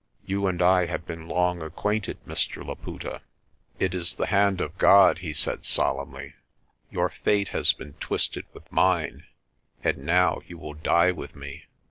You and I have been long acquainted, Mr. Laputa." "It is the hand of God," he said solemnly. "Your fate has been twisted with mine, and now you will die with me."